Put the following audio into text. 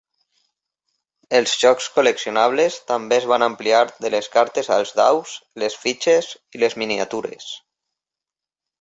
Els jocs col·leccionables també es van ampliar de les cartes als daus, les fitxes i les miniatures.